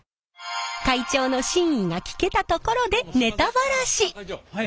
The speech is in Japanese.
会長の真意が聞けたところでネタバラシ。